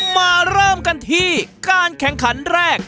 มาเริ่มกันที่การแข่งขันแรก